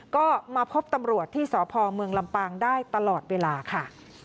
ก็มาพบตำรวจที่สพเมืองลำปางได้ตลอดเวลาค่ะ